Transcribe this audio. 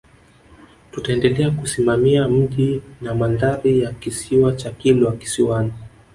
Tutaendelea kusimamia mji na mandhari ya Kisiwa cha Kilwa Kisiwani